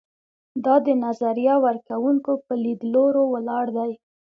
دا د نظریه ورکوونکو پر لیدلورو ولاړ دی.